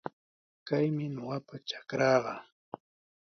Kaymi ñuqapa trakraaqa.